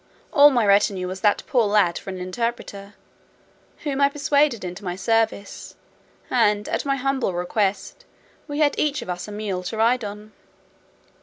All my retinue was that poor lad for an interpreter, whom I persuaded into my service, and, at my humble request, we had each of us a mule to ride on.